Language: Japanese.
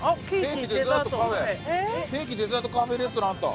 ケーキデザートカフェレストランあった！